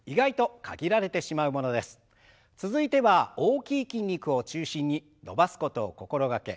続いては大きい筋肉を中心に伸ばすことを心掛け